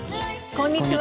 こんにちは。